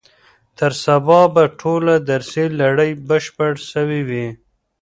تر سبا به ټوله درسي لړۍ بشپړه سوې وي.